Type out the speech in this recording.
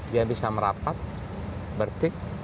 dia bisa merapat bertik